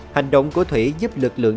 hành động của thủy giúp lực lượng